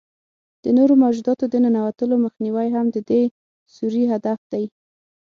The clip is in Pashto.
د نورو موجوداتو د ننوتلو مخنیوی هم د دې سوري هدف دی.